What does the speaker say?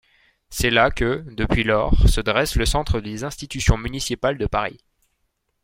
C'est là que, depuis lors, se dresse le centre des institutions municipales de Paris.